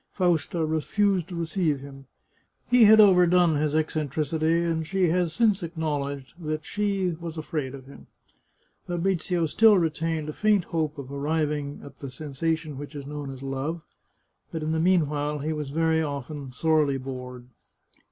Fausta refused to receive him. He had overdone his eccentricity, and she has since acknowledged that she was afraid of him. Fabrizio still retained a faint hope of arriving at the sensation which is known as love, but in the mean while, he was very often sorely bored.